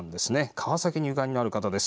川崎にゆかりのある方です。